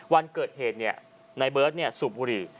วันเกิดเหตุในเบิร์ตสูบบุหรี่